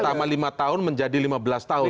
pertama lima tahun menjadi lima belas tahun